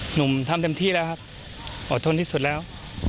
หนุ่มทำเต็มที่แล้วครับอดทนที่สุดแล้ว